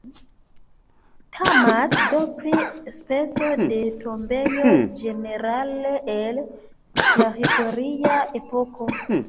Temas do pri speco de tombejo, ĝenerale el prahistoria epoko.